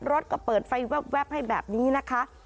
รถก็เปิดไฟแว๊บให้แบบนี้นะคะ